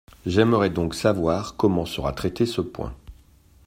J’aimerais donc savoir comment sera traité ce point.